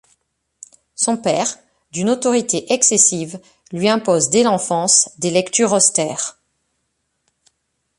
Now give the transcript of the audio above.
Son père, d'une autorité excessive, lui impose dès l'enfance des lectures austères.